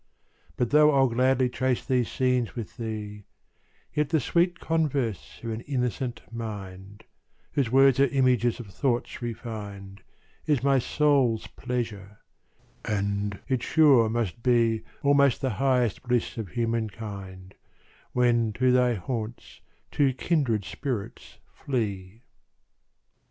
But though I'll gladly trace these scenes with thee, Yet the sweet converse of an innocent mind, Whose words are images of thoughts refin'd, Is my soul's pleasure; and it sure must be Almost the highest bliss of human kind, When to thy haunts two kindred spirits flee.